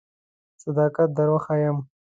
صداقت در وښیم.